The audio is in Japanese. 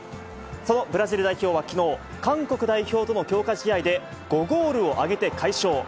そのブラジル代表はきのう、韓国代表との強化試合で、５ゴールを挙げて快勝。